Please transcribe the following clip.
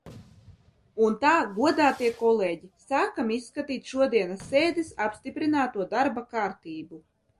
Un tā, godātie kolēģi, sākam izskatīt šodienas sēdes apstiprināto darba kārtību.